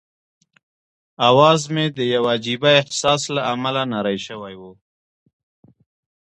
اواز مې د یوه عجيبه احساس له امله نری شوی وو.